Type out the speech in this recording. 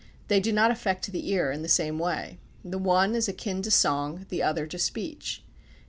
They do not affect the ear in the same way. The one is akin to song, the other to speech.